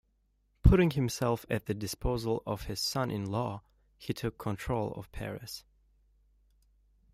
Putting himself at the disposal of his son-in-law, he took control of Paris.